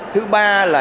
thứ ba là